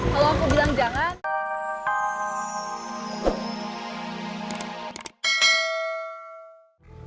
kalau aku bilang jangan